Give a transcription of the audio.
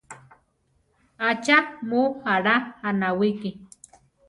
¿Achá mu alá anáwiki?